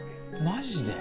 マジで？